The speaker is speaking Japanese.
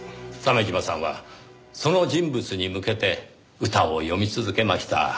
鮫島さんはその人物に向けて歌を詠み続けました。